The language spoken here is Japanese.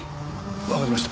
わかりました。